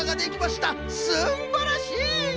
すんばらしい！